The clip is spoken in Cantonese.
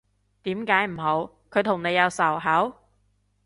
點解唔好，佢同你有仇口？